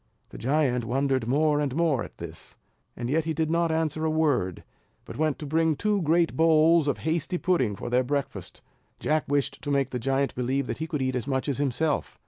The giant wondered more and more at this; yet he did not answer a word, but went to bring two great bowls of hasty pudding for their breakfast. Jack wished to make the giant believe that he could eat as much as himself.